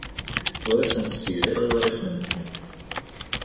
Ur asent-ssegzaleɣ iḍrisen-nsent.